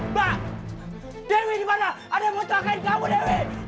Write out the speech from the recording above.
mbak dewi di mana ada yang mau celakain kamu dewi